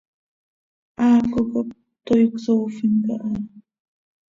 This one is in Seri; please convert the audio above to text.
Haaco cop toii cösoofin caha.